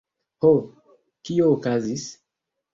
Ho? Kio okazis?